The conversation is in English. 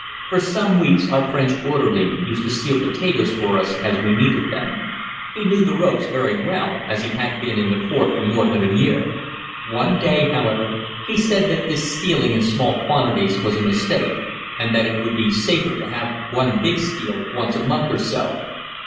For some weeks our French orderly used to steal potatoes for us as we needed them. He knew the ropes very well, as he had been in the fort for more than a year. One day, however, he said that this stealing in small quantities was a mistake, and that it would be safer to have one big steal once a month or so.